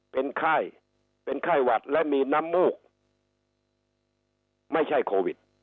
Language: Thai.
เป็นไข้เป็นไข้หวัดและมีน้ำมูกไม่ใช่โควิด